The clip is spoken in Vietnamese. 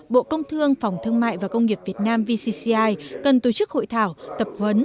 bộ công thương phòng thương mại và công nghiệp việt nam vcci cần tổ chức hội thảo tập huấn